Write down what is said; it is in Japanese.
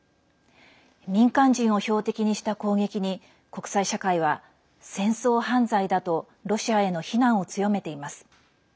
民間人を標的にした攻撃に国際社会は戦争犯罪だとロシアへの非難を強めています。